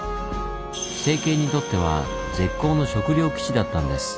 政権にとっては絶好の食料基地だったんです。